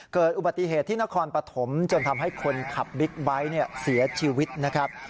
เกิดอุบัติเหตุที่นครปฐมจนทำให้คนขับบิ๊กไบท์เสียชีวิตนะครับ